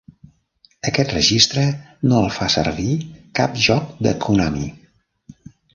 Aquest registre no el fa servir cap joc de Konami.